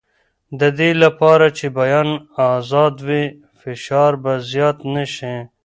د دې لپاره چې بیان ازاد وي، فشار به زیات نه شي.